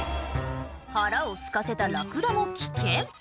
腹をすかせたラクダも危険